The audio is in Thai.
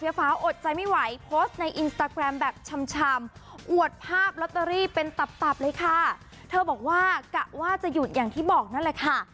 อย่างที่เป็นตับเลยค่ะเธอบอกว่ากะว่าจะหยุดอย่างที่บอกนั่นแหละค่ะ